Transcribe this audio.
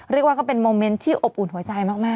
เรียกว่าก็เป็นโมเมนต์ที่อบอุ่นหัวใจมาก